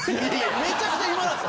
めちゃくちゃ暇なんすよ